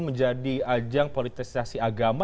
menjadi ajang politisasi agama